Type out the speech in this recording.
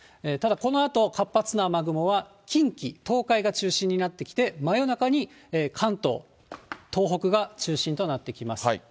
ただ、このあと、活発な雨雲は近畿、東海が中心になってきて、真夜中に関東、東北が中心となってきます。